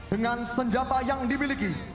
dengan senjata yang dimiliki